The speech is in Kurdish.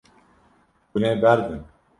Hûn ê berdin.